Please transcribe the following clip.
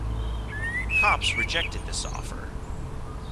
Copps rejected this offer.